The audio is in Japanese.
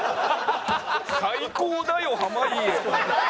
「最高だよ濱家」。